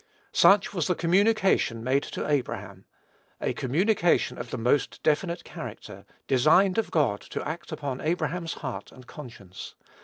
Such was the communication made to Abraham, a communication of the most definite character, designed of God to act upon Abraham's heart and conscience.